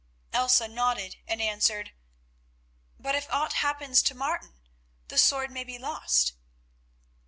Elsa nodded and answered, "But if aught happens to Martin the sword may be lost."